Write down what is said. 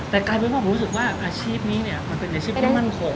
แต่กลายเป็นว่าผมรู้สึกว่าอาชีพนี้เนี่ยมันเป็นอาชีพที่มั่นคง